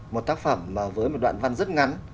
một tác phẩm mà với một đoạn văn rất ngắn